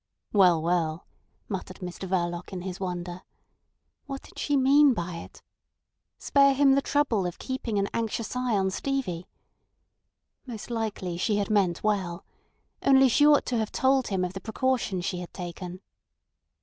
"Well, well," muttered Mr Verloc in his wonder. What did she mean by it? Spare him the trouble of keeping an anxious eye on Stevie? Most likely she had meant well. Only she ought to have told him of the precaution she had taken.